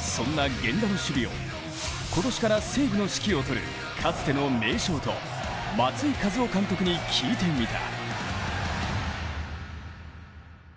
そんな源田の守備を今年から西武の指揮を取るかつての名ショート松井稼頭央監督に聞いてみた。